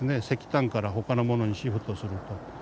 石炭からほかのものにシフトすると。